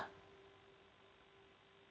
kalau yang ini